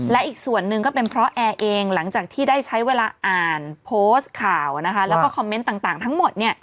และอีกส่วนหนึ่งก็เป็นเพราะแอร์เองหลังจากที่ได้ใช้เวลาอ่านโพสต์ข่าวแล้วก็คอมเมนต์ต่างทั้งหมด